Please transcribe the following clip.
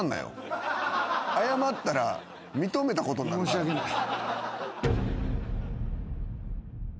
申し訳ない。